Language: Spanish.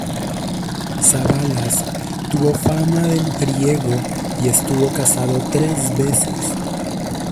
Savalas tuvo fama de mujeriego y estuvo casado tres veces.